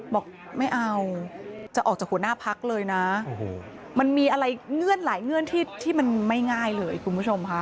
บอกไม่เอาจะออกจากหัวหน้าพักเลยนะมันมีอะไรเงื่อนหลายเงื่อนที่มันไม่ง่ายเลยคุณผู้ชมค่ะ